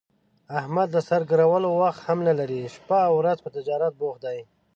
احمد د سر ګرولو وخت هم نه لري، شپه اورځ په تجارت بوخت دی.